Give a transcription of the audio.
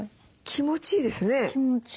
気持ちいいです。